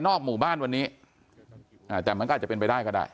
หมู่บ้านวันนี้แต่มันก็อาจจะเป็นไปได้ก็ได้